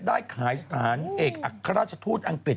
ได้ขายสถานเอกอัครราชทูตอังกฤษ